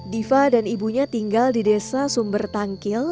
diva dan ibunya tinggal di desa sumber tangkil